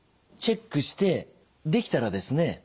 チェックしてできたらですね